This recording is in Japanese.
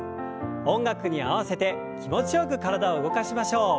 音楽に合わせて気持ちよく体を動かしましょう。